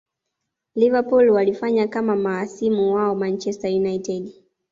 liverpool walifanya kama mahasimu wao manchester united